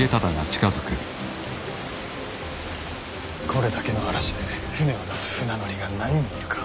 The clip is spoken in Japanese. これだけの嵐で舟を出す船乗りが何人いるか。